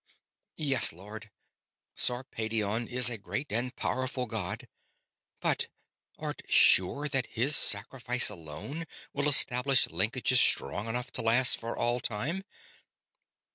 "Yes, Lord. Sarpedion is a great and powerful god, but art sure that his sacrifice alone will establish linkages strong enough to last for all time?"